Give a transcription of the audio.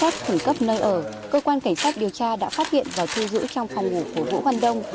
phán xét khẩn cấp nơi ở cơ quan cảnh sát điều tra đã phát hiện và thu giữ trong phòng ngủ của vũ văn đông